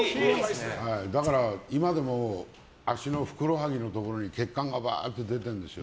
だから、今でも足のふくらはぎのところに血管がばーっと出てるんです。